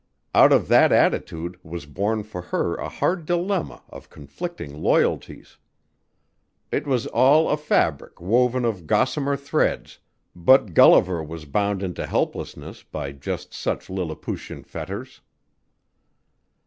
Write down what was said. Out of that attitude was born for her a hard dilemma of conflicting loyalties. It was all a fabric woven of gossamer threads, but Gulliver was bound into helplessness by just such Lilliputian fetters.